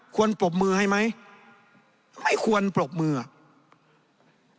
ปรบมือให้ไหมไม่ควรปรบมืออ่ะ